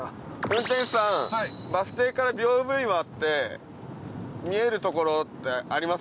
運転手さんバス停から屏風岩って見えるところってありますかね？